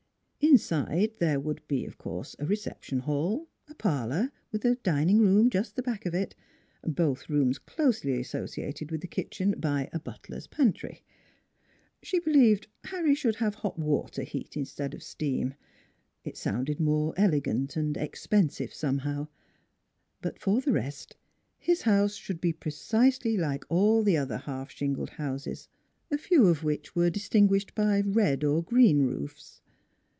Inside there would be, of course, a reception hall, a parlor, with a dining room just back of it, both rooms closely associated with the kitchen by a " butler's pantry." She believed Harry should have hot water heat, instead of steam. It sounded more elegant and expensive, somehow; but for the rest his house should be precisely like all the other half shingled houses, a few of which were distinguished by red or green roofs.